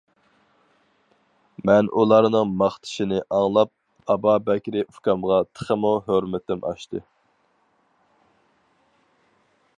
مەن ئۇلارنىڭ ماختىشىنى ئاڭلاپ ئابابەكرى ئۇكامغا تېخىمۇ ھۆرمىتىم ئاشتى.